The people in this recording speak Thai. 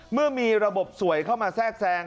เมื่อมีระบบสวยเข้ามาแทรกแทรง